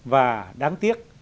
và đáng tiếc